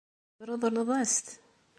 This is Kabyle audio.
Tṛeḍleḍ-as-t.